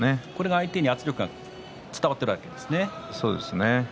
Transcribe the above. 相手に圧力が伝わっているわけですね。